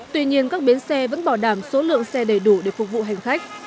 tuy nhiên các bến xe vẫn bảo đảm số lượng xe đầy đủ để phục vụ hành khách